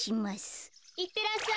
いってらっしゃい。